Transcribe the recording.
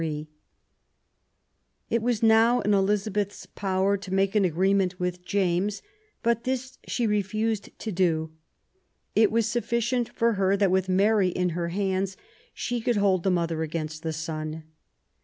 It was now in Eliza beth's power to make an agreement with James; but this she refused to do. It was sufficient for her that, with Mary in her hands, she could hold the « mother against the son.